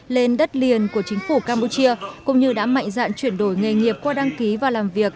lên đất liền của chính phủ campuchia cũng như đã mạnh dạn chuyển đổi nghề nghiệp qua đăng ký và làm việc